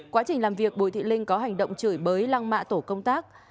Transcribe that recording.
quá trình làm việc bùi thị linh có hành động chửi bới lăng mạ tổ công tác